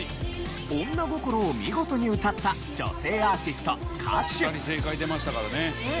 女心を見事に歌った女性アーティスト・歌手。